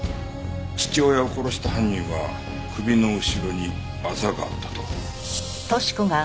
父親を殺した犯人は首の後ろにあざがあったと。